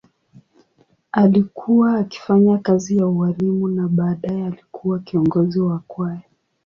Alikuwa akifanya kazi ya ualimu na baadaye alikuwa kiongozi wa kwaya.